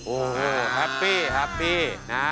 โอ้โฮแฮปปี้